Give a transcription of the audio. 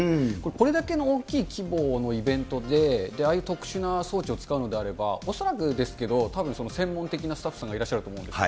これだけの大きい規模のイベントで、ああいう特殊な装置を使うのであれば、恐らくですけどたぶん専門的なスタッフさんがいらっしゃると思うんです。